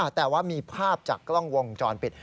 แต่ว่ามีภาพจากกล้องวงจรปิด